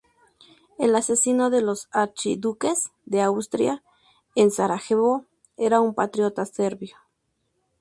El asesino de los archiduques de Austria en Sarajevo era un patriota serbio.